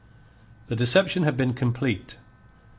The deception had been complete.